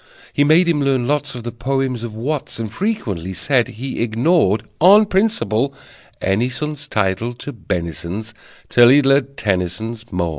He made him learn lots Of the poems of Watts, And frequently said he ignored, On principle, any son's Title to benisons Till he'd learned Tennyson's "Maud."